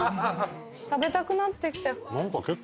食べたくなってきちゃう。